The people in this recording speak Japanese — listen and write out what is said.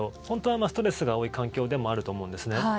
本当はストレスが多い環境でもあると思うんですね。